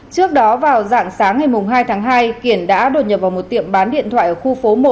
trước đó vào dạng sáng ngày hai tháng hai kiển đã đột nhập vào một tiệm bán điện thoại ở khu phố một